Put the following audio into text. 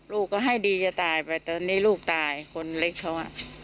ลูกเค้าให้ดีจะตายไปแต่ตอนนี้ลูกตายคนเล็กเค้า